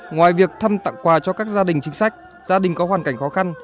ngoài việc thăm tặng quà cho các gia đình chính sách gia đình có hoàn cảnh khó khăn